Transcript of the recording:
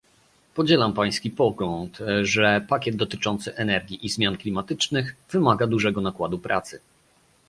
Podzielam pański pogląd, że pakiet dotyczący energii i zmian klimatycznych wymaga dużego nakładu pracy